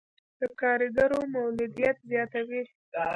د کارګرو مولدیت زیاتوي.